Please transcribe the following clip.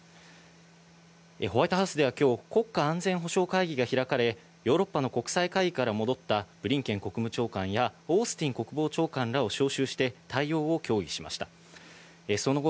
ホワイトハウスでは今日、国家安全保障会議が開かれ、ヨーロッパの国際会議から戻ったブリンケン国務長官やオースティン国防長官らを招集して対応を協議しました。